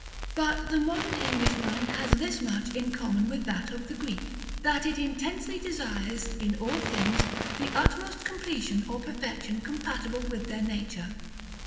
§ XI. But the modern English mind has this much in common with that of the Greek, that it intensely desires, in all things, the utmost completion or perfection compatible with their nature.